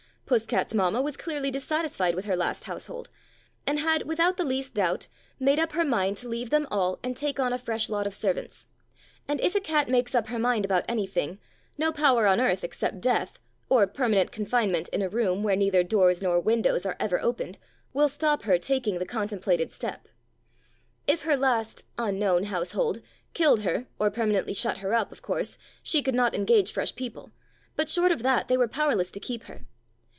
Puss cat's mamma was clearly dissatisfied with her last household and had, without the least doubt, made up her mind to leave them all and take on a fresh lot of servants; and if a cat makes up her mind about anything, no power on earth except death, or permanent confinement in a room where neither doors nor windows are ever opened, will stop her taking the contemplated step. If her last (unknown) household killed her, or permanently shut her up, of course, she could not engage fresh people, but short of that they were powerless to keep her.